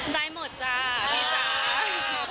ได้หมดจ้าได้จ้า